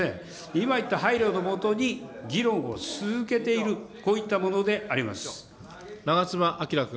今言った配慮のもとに、議論を続けている、こういったものであり長妻昭君。